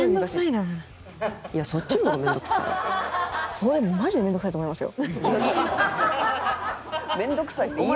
そういうのマジで面倒くさいと思いますよ。